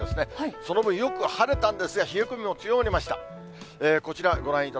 その分、よく晴れたんですが、冷え込みも強まりました。